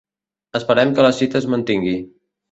Esperem que la cita es mantingui.